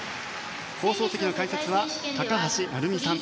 放送席の解説は高橋成美さん。